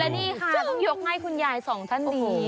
นี่ค่ะต้องยกให้คุณยายสองท่านนี้